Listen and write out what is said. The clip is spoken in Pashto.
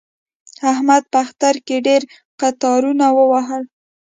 احمد په اختر کې ډېر قطارونه ووهل.